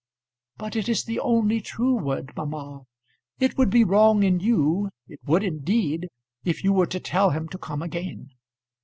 "] "But it is the only true word, mamma. It would be wrong in you, it would indeed, if you were to tell him to come again.